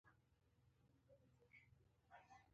سهار د رحمت څاڅکي دي.